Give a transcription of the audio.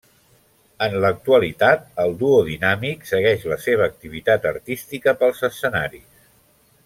En l'actualitat, el Duo Dinàmic segueix la seva activitat artística pels escenaris.